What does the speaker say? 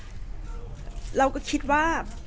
แต่ว่าสามีด้วยคือเราอยู่บ้านเดิมแต่ว่าสามีด้วยคือเราอยู่บ้านเดิม